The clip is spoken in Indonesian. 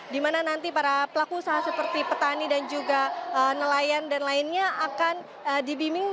di mana nanti para pelaku usaha seperti petani dan juga nelayan dan lainnya akan dibimbing